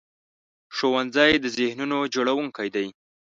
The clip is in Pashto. ښوونځی د ذهنونو جوړوونکی دی